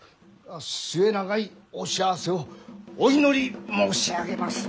末永いお幸せをお祈り申し上げます。